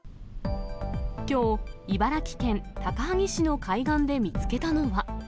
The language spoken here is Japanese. きょう、茨城県高萩市の海岸で見つけたのは。